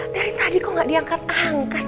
dari tadi kok gak diangkat angkat